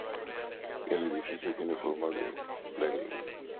El edificio tiene forma de lágrima.